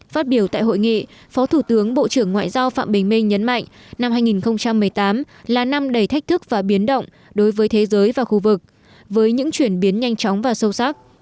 phát biểu tại hội nghị phó thủ tướng bộ trưởng ngoại giao phạm bình minh nhấn mạnh năm hai nghìn một mươi tám là năm đầy thách thức và biến động đối với thế giới và khu vực với những chuyển biến nhanh chóng và sâu sắc